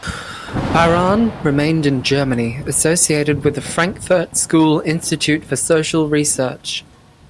Baran remained in Germany associated with the Frankfurt School Institute for Social Research.